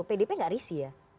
pdp gak risih ya